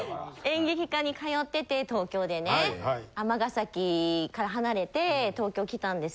演劇科に通ってて東京でね尼崎から離れて東京来たんです。